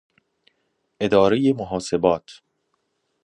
ادارۀ محاسبات